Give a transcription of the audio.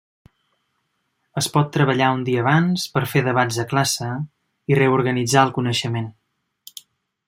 Es pot treballar un dia abans per fer debats a classe i reorganitzar el coneixement.